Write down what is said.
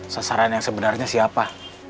sasaran yang sebenarnya siapa